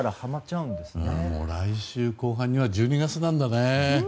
来週後半には１２月なんだね。